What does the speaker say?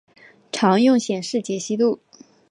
常用显示解析度